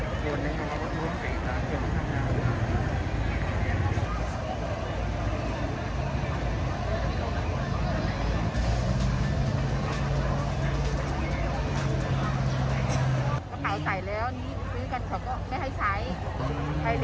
ไม่ให้ใช้ในน้ำก็เอาไว้กล่องรวมกันเพื่อที่ว่าไม่มีอะไรกันขุมกันอะไรเลย